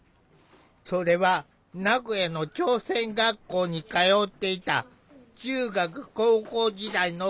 それは名古屋の朝鮮学校に通っていた中学高校時代の経験からだという。